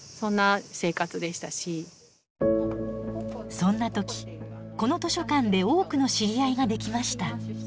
そんな時この図書館で多くの知り合いができました。